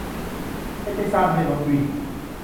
ไม่ใช่สร้างให้รถวิ่ง